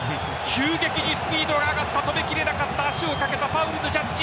急激にスピードが上がった止めきれなかった、足をかけたファウルのジャッジ。